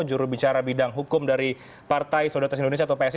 jurubicara bidang hukum dari partai solidaritas indonesia atau psi